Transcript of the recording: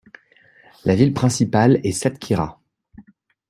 La ville principale est Satkhira.